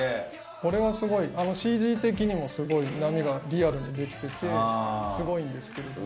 これはスゴいＣＧ的にもスゴい波がリアルに出来ててスゴいんですけれども。